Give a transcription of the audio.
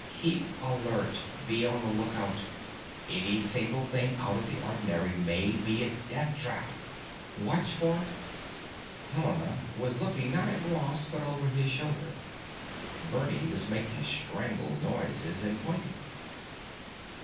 Keep alert! Be on the lookout! Any single thing out of the ordinary may be a deathtrap. Watch for——" Helena was looking not at Ross but over his shoulder. Bernie was making strangled noises and pointing.